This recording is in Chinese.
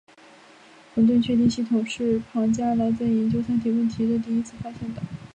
混沌确定系统是庞加莱在研究三体问题时第一次发现的。